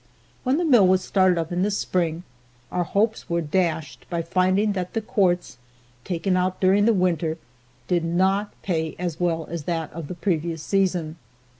When the mill was started up in the spring our hopes were dashed by finding that the quartz taken out during the winter did not pay as well as that of the previous season.